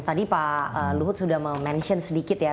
tadi pak luhut sudah mention sedikit ya